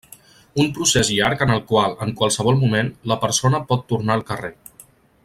Un procés llarg en el qual, en qualsevol moment, la persona pot tornar al carrer.